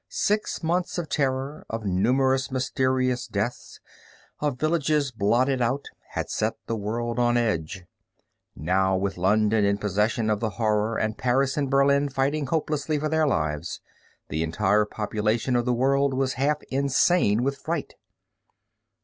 Six months of terror, of numerous mysterious deaths, of villages blotted out, had set the world on edge. Now with London in possession of the Horror and Paris and Berlin fighting hopelessly for their lives, the entire population of the world was half insane with fright.